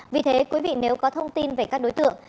vì thế quý vị nếu có thông tin về các đối tượng